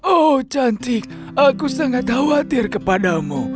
oh cantik aku sangat khawatir kepadamu